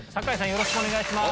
よろしくお願いします。